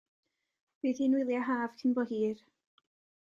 Bydd hi'n wyliau haf cyn bo hir.